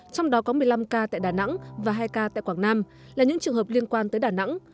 trong đó có một mươi năm ca tại đà nẵng và hai ca tại quảng nam là những trường hợp liên quan tới đà nẵng